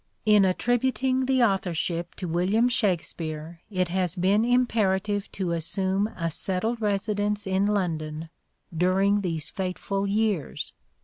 In attributing the authorship to William Shakspere it has been imperative to assume a settled residence in London during these fateful years.